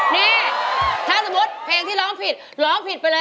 นี่ถ้าสมมุติเพลงที่ร้องผิด